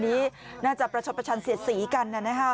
นี้น่าจะประชดประชันเสียดสีกัน